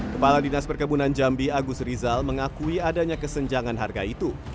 kepala dinas perkebunan jambi agus rizal mengakui adanya kesenjangan harga itu